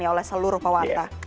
ya oleh seluruh pewarta